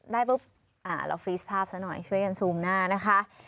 ได้ปุ๊บเราฟรีสภาพซะหน่อยช่วยกันซูมหน้านะคะ